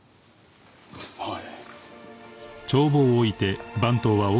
はい。